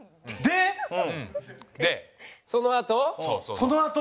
そのあと？